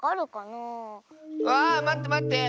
あまってまって！